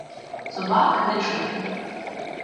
Собак не чути.